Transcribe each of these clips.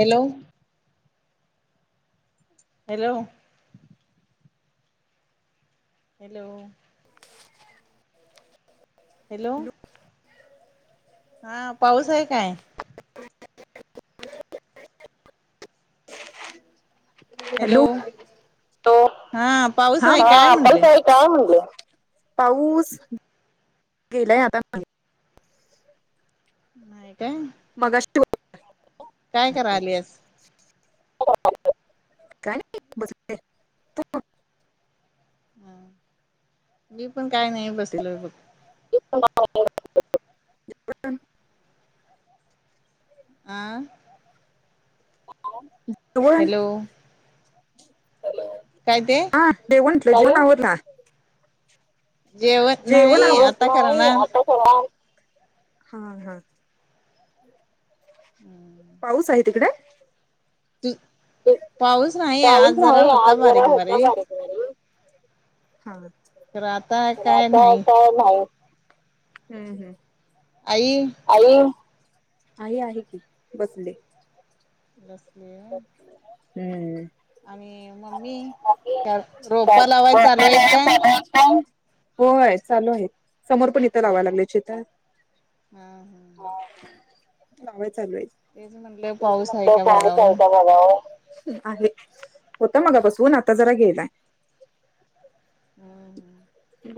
Hello hello hello hello [unintelligible] हा पाऊस आहे काय हॅलो तो हा पाऊस आहे काय म्हटले का पाऊस गेलाय आता नाहीय का मगा काय करा आलेस हो [unintelligible] मी पण काय नाही बसलोय बघ [unintelligible] आं तू अन् हॅलो हॅलो काय तेे [unintelligible] जेवण नाही आता करणार हा हा हम्म पाऊस आहे तिकडे त पाऊस नाही होता आज बारीक जरा होता बारीक बारक वारी तर आता काय आता नाही आता नाही हम हम आई आई आई आहे की बसली बसले हम्म आणि मम्मी रोपा लावाय चालू आहेत काय [unintelligible] होय चालू आहे समोर पण इथं लावायला लागले हम हम लावाय चालूय. तेच म्हटलं पाऊस आहे का बघाव होता मगापासून आता जरा गेलाय.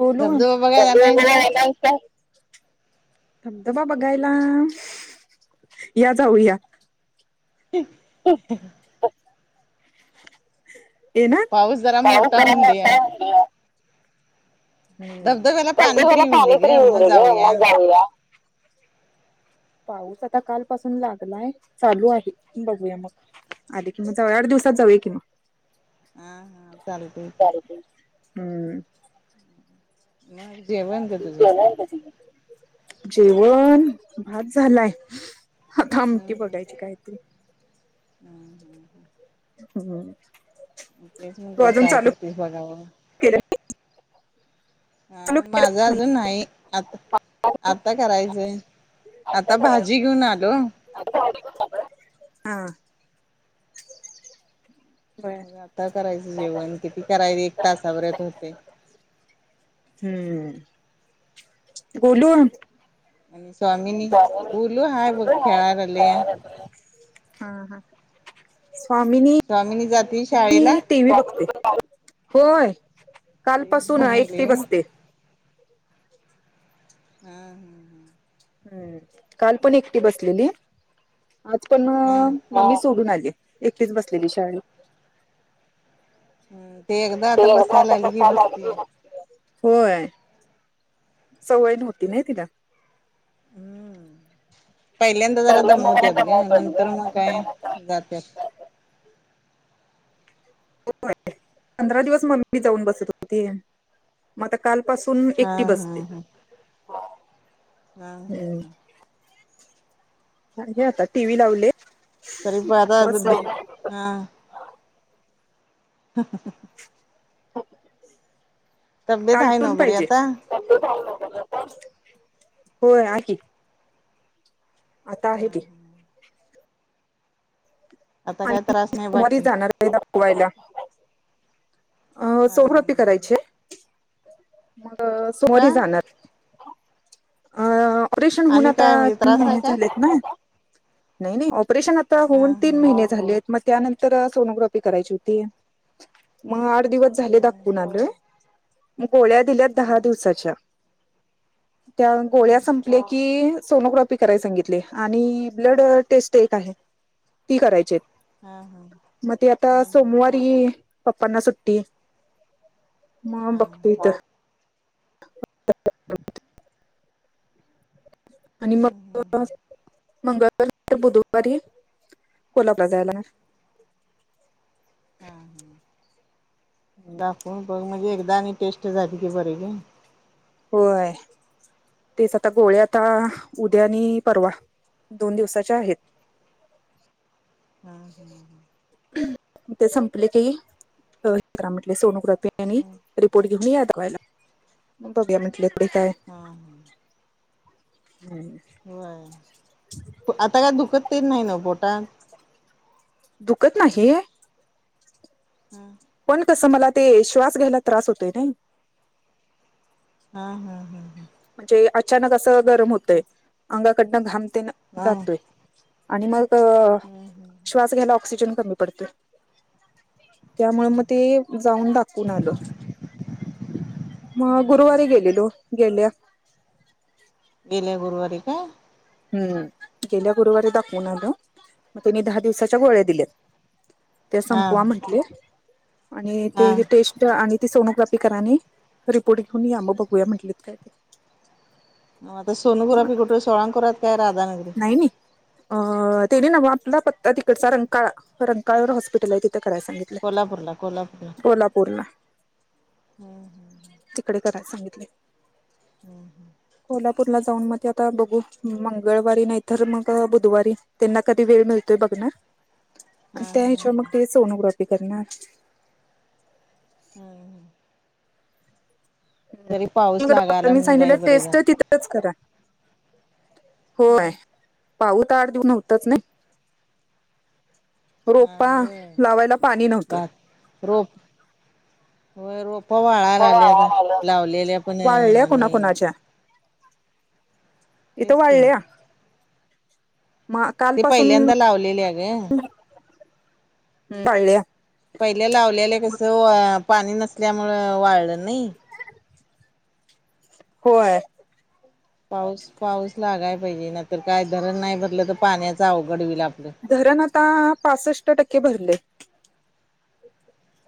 बोलून, धबधबा बघायला नाहीस का [unintelligible] धबधबा बघायला? या जाऊया. [inaudible] ये ना पाऊस जरा मोठा होऊन दे [unintelligible] धबधब्याला पाणी धबधबा तरी ला येऊन पाणी दे तरी येऊ मग दे ग जाऊया म जाउया. पाऊस आता कालपासून लागलाय चालू आहे बघूया मग. आध कि जावळ आठ दिवसात जाऊ कि मग हा हा चालतय की चालतय, हम्म मग जेवण ग तुझं तती [unintelligible] जेवण? भात झालाय. आता आमटी हम्म हम् बघायची काहीतरी हम्म हम् हम्म हम्म. तेच तू म्हंटल अजून काय चालू करतेस बघाव. केलं हा चालू केलं माझा अजून न्हाई आता आता करायचंय आता भाजी घेऊन आलो. [inaudible] हा बर मग आता करायच जेवण किती कराय एक तासावरत होतय. हम्म बोलुन आणि स्वामीनी बोलू हाय बघ खेळार आले या. हा हा स्वामिनी तमीनी जातीस टी व्ही बघते, होय ते कालपसून बघायले एकटी व्हय. बसतेय. हम हम ह हम् काल पण एकटी बसलेली आज पण म हम म मी सोडून आली एकटीच बसलेली शाळेत हम्म ते एकदा [unintelligible] आता बसायला आली की बसतीय. होय सवय नवती नाहीय तिला पहिल्यांदा जरा सगळं वगैरे जमवतेतय ग बनवतात नंतर मग ग. काय जात्यात हो पंधरा दिवस मम्मी जाऊन बसत होती मग आता कालपासून हा एकटी हा बसते. हम हम् हम्म हम्. हे आता टी व्ही लावले. तरी पाता बसले दु हा तब्येत आहे कालटून नव्ह बरी पाहिजे. आता? होय आह. आता हा आहे ती हा आता काय आणि त्रास नाही सुमारी बाकी जाणार आहे दाखवायला अ हा हा सोहरोपी हा करायचीये मग का सोमारी जाणार. अ ऑपरेशन होन आणि आता काय म्हणजे तीन त्रास आहे महिने काय? झालेत ना. नाही नाही ऑपरेशन आता हा होऊन हा तीन महिने हा झाले आहेत मग त्यानंतर सोनोग्राफी करायची होती. मग आठ दिवस झाले दाखवून आलोय मग गोळ्या दिल्यात दहा दिवसाच्या. त्या गोळ्या हम्म सं पले की सोनोग्राफी कराय सांगितले आणि ब्लड टेस्ट एक आहे. ती करायचीये. हम्म हम्म हम्म हा हा हा मग ते आता हा हा सोमवारी हा पप्पांना सुट्टीये. म हा बकतीत हम् आणि मग मंगळ बुधवारी कोल्हापुला जायला हा ह दाखव बघ म्हणजे एकदा आणि टेस्ट झाली की बर ग होय तेच आता गोळे आता उद्या आणि परवा दोन दिवसाच्या आहेत. हम हम् ह ते संपले काी अ हे करा म्हटले सोनोग्राफी आणि हा. हा रिपोर्ट घेऊन या बघायलाग बघया म्हटलेकडे काय हां हां हम् होय आता काय दुखत तेच नाही ना पोटात. दुखत नाही. हम पण कसं मला ते श्वास घ्यायला त्रास होतोय नाही. हा हा हा हा म्हणजे अचानक असं गरम होतय तेच अंगाकडनं घामतेन हा. जातोय. आणि मग हम्म हम्म श्वास घ्यायला ऑक्सिजन कमी पडते. त्यामुळे मग हा ते जाऊन दाखवून आलं. मग हा. गुरुवारी गेलेलो गेल्या. गेले गुरवारी का? हम्म गेल्या गुरुवारी दाखवून आलं. मग त्यानी दहा दिवसाच्या गोळ्या दिल्यात ते हा संपवा म्हटले आणि हा. ते टेस्ट आणि ती सोनोग्राफी कराने रिपोर्ट घेऊन या म बघूया म्हटलेत काय ते मग आता सोनुरा मग प कुठे सोळांकुरात काय राधानगरी? नाही अ त्यांनी नव आपला पत्ता तिकडचा रंका रंकाळवर हॉस्पिटल आहे तिथे करायला सांगितलं. कोल्हापरला, कोल्हापूरला कोल्हापूरला हम्म हम् तिकडे कराय सांगितले. मी हम् हम् [unintelligible] कोल्हापूरला जाऊन मग ते आता बघू मंगळवारी नाही तरर मग बुधवारी त्यांना कधी वेळ मिळतोय बघणार हा त्या हा हिशवा मग ते हा सोनोग्राफी करणार. हम्म हम पाऊस लागाला डॉक्टरांनी म्हणून बाई सांगितलं बरं टेस्ट झालं. तिथ करा होय हम्म. पाहत आठ दिऊन होतच नाही हा रोपा होय लावायला पाणी नव्हतं. भात रोप व रोप पवाळाय ला आल्या आता लावलेल्या पण वाळल्या आणि कोणाकोणाच्या इथ तेच की वाल्या मग काल ते पासून पहिल्यांदा लावलेले आहे ग पहिल्या लावलेलं कसं पाणी नसल्यामुं वाळलं नई? होय पाऊस पाऊस लागाय पाहिजे नतर काय धरण नाही भरलं तर पाण्याचं अवघड होईल आपलं. धरण आता पासष्ट टक्के भरलय.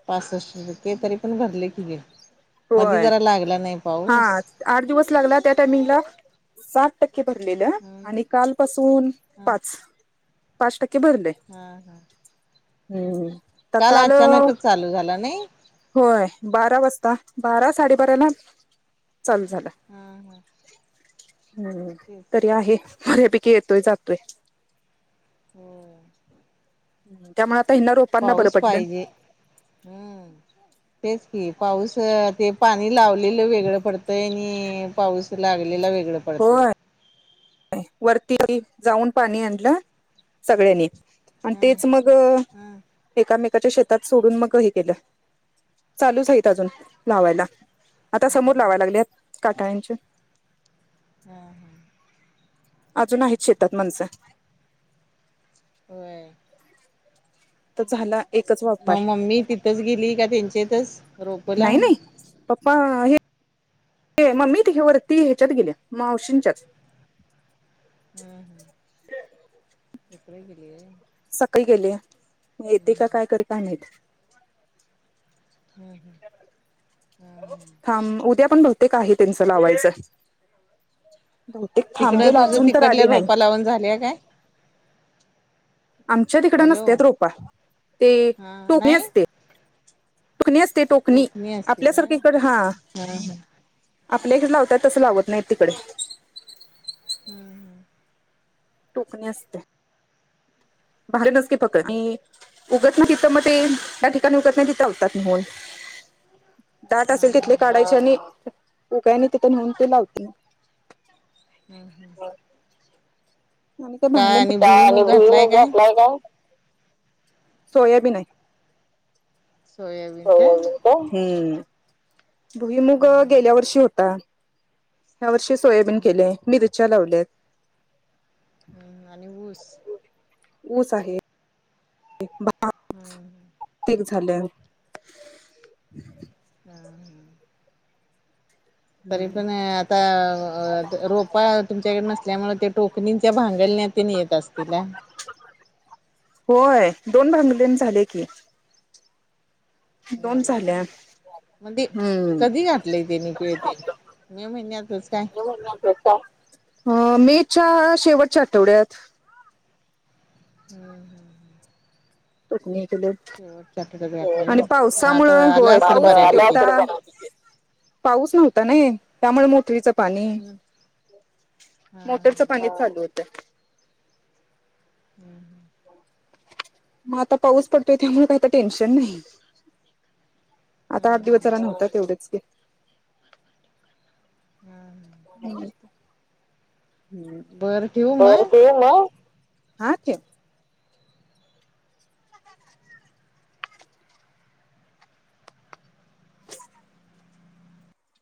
पासष्ट टक्के तरी पण भरले कीे मध होय जरा लागला नाही हा पाऊस आठ दिवस लागला त्या टायमिंगला साठ टक्के भरलेलं हम्म आणि कालपसून हा पाच पाच टक्के भरलय. हा हा! हम्म आता काल अचानकच चालू झाला नाही होय बारा वाजता बारा साडेबाराला चालू झालं. हा हा. हम्म तेच तरी आहे बऱ्यापैकी येतोय जातोय. हो. त्यामुळे आता हि रोप पाऊस पाहिजे हम्म! तेच की पाऊस ते पाणी लावलेलं वेगळं पडतंय आणि पाऊस लागलेला वेगळं पडतय. होय वरती जाऊन पाणी आणलं सगळ्यांनी. आणि हम्म तेच मग हम्म एकामेकाच्या शेतात सोडून मग हे केलं. चालूच आहेत अजून लावायला आता समोर लावायला लागले काटाळ्यांचे. हा हा! अजून आहेतच शेतात मणस. होय! झाला एक मग मम्मी तिथंच गेली का त्यांच्यातच रोपला? नाही नाही पप्पा हे मम्मी ती वरती ह्याच्यात गेली मावशींच्यात. हम्! तिकड गेली सकाळी गेलिये म येते का काय करते काय माहित. हम् हम्! थांब उद्या पण बहुतेक आहे त्यांचं लावायचं. बहुतेक तिकडं थांबेल तुझं अजून तर तिकडल्या आली नाही. रोपा लावून झाले काय? आमच्या तिकड हॅलो नसत्यात रोप ते हा टोकणी नाही असते. टोकणी असते टोकणी आपल्यासारखी इकडे हा. हा हम्म आपल्या इकडे लावतयात तसं लावत नाही तिकडे. हम्म! टोकणी असते. [unintelligible] उगत नाही तिथं मग ते त्या ठिकाणी उगत नाही तिथं होतात दाट हा असेल तिथली हा काढायची आणि उगायने तिथे नेऊन ती लावतेना. हम् हम! आणि काय भांगलं का आणि भुईमूग घातलाय काय? सोयाबीन आहे. सोयाबीन काय हो हम्म! भुईमुग हम्म गेल्या वर्षी हम्म होता. या वर्षी सोयाबीन केलेय मिरच्या लावल्यात. ह्म आणि ऊस? ऊस आहे हम्म पीक झाल हा हा! तरी पण आता रोप तुमच्याकडे नसल्यामुळे ते टोकणींच्या भांगलण्यात येत असल? तिला? होय दोन भांगलन झाल्या की. दोन झाल्यात कधी ते कधी घातलेय ते नििकळ ते मे महिन्यातच काय? गुळना कर मेच्या शेवटच्या आठवड्यात. हम्म हम्म शेवटच्या आठवड्यात [unintelligible] घातलंय व्हय आणि मग पावसामुळे आता आलं होय असेल पाऊस किती बऱ्यापैकी होता. पाऊस नव्हता नि त्यामुळे मोटरीचं पाणी. हम मोटरीचा पाणी चालू होतं. हम् ह मग आता पाऊस पडतोय त्यामुळे काही टेन्शन नाही. आता हा आठ हा दिवसाला नव्हता. तेवढेच की हा हम्म, हम्म ् बरं ठेवू तर मग ते [unintelligible]